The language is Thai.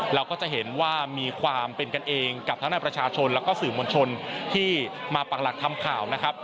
เราก็จะเห็นว่ามีความเป็นกันเองกับทั้งในประชาชนแล้วก็สื่อมวลชนที่มาปักหลักทำข่าวนะครับ